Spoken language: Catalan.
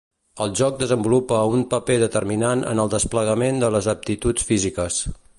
El joc desenvolupa un paper determinant en el desplegament de les aptituds físiques.